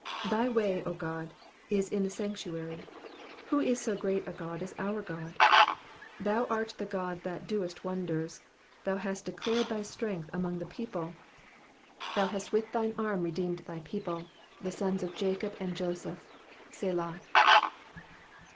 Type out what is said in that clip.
13 Thy way, O God, is in the sanctuary : who is so great a God as our God ? 14 Thou art the God that doest wonders : thou hast declared thy strength among the people. 15 Thou hast with thine arm redeemed thy people, the sons of Jacob and Joseph. Selah.